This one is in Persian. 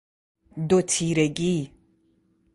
دوتیرگی